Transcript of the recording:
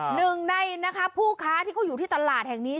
หนึ่งในนะคะผู้ค้าที่เขาอยู่ที่ตลาดแห่งนี้